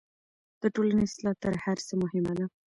د ټولني اصلاح تر هر څه مهمه ده.